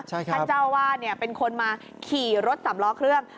ท่านเจ้าวาดเป็นคนมาขี่รถสำล้อเครื่อง